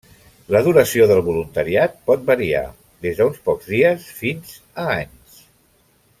La duració del voluntariat pot variar, des d'uns pocs dies fins a anys.